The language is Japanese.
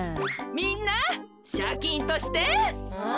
みんなシャキンとして。